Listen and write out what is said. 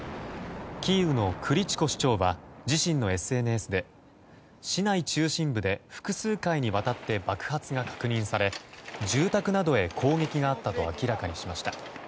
キーウのクリチコ市長は自身のＳＮＳで市内中心部で、複数回にわたって爆発が確認され住宅などへ攻撃があったと明らかにしました。